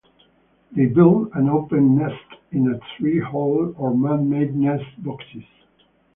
They build an open nest in a tree hole, or man-made nest-boxes.